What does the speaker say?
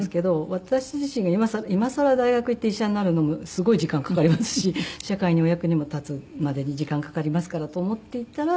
私自身が今更大学へ行って医者になるのもすごい時間かかりますし社会にお役にも立つまでに時間かかりますからと思っていたら。